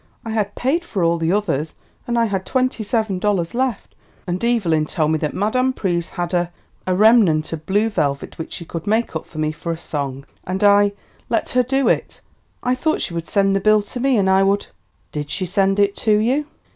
I had paid for all the others, and I had twenty seven dollars left, and Evelyn told me that Madame Pryse had a a remnant of blue velvet which she would make up for me for a song. And I let her do it. I thought she would send the bill to me, and I would " "Did she send it to you?"